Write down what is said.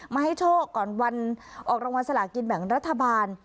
ให้โชคก่อนวันออกรางวัลสลากินแบ่งรัฐบาล